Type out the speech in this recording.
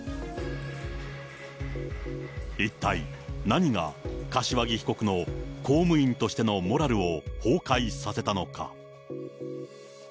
一体、何が、柏木被告の公務員としてのモラルを崩壊させたのか。